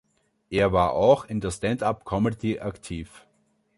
Er war auch in der Stand-up-Comedy aktiv.